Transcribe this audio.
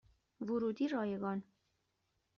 ورودی رایگان